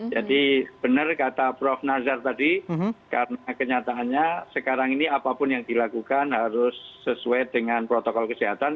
benar kata prof nazar tadi karena kenyataannya sekarang ini apapun yang dilakukan harus sesuai dengan protokol kesehatan